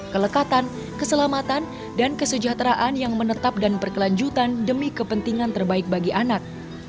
kelekatan keselamatan dan kesejahteraan yang menetap dan berkelanjutan demi kepentingan terbaik bagi anak